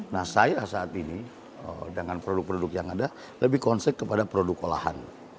nah saya saat ini dengan produk produk yang ada lebih konsep kepada produk olahan